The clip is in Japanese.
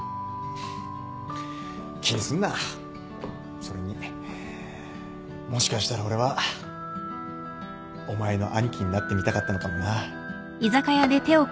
それにもしかしたら俺はお前のアニキになってみたかったのかもな。